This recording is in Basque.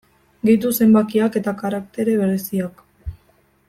Gehitu zenbakiak eta karaktere bereziak.